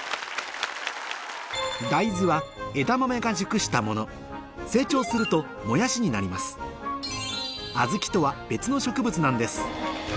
大豆は枝豆が熟したもの成長するともやしになります小豆とは別の植物なんです